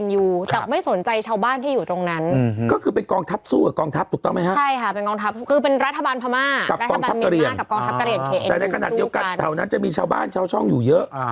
อย่างนั้นจะมีชาวบ้านชาวช่องอยู่เยอะ